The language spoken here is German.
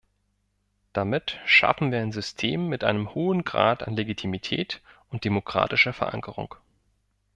Damit schaffen wir ein System mit einem hohen Grad an Legitimität und demokratischer Verankerung.